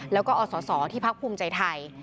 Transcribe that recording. แล้วก็อสสที่ภักดิ์ภูมิใจไทย